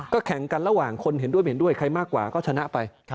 แข่งกันระหว่างคนเห็นด้วยเห็นด้วยใครมากกว่าก็ชนะไป